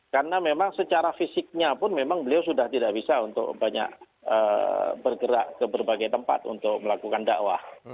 karena memang secara fisiknya pun memang beliau sudah tidak bisa untuk banyak bergerak ke berbagai tempat untuk melakukan dakwah